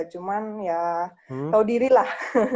cuman ya tahu diri lah